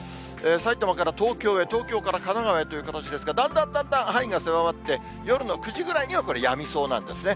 埼玉から東京へ、東京から神奈川へという形で、だんだんだんだん範囲が狭まって、夜の９時ぐらいにはこれ、やみそうなんですね。